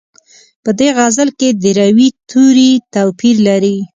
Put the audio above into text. په دې غزل کې د روي توري توپیر لري.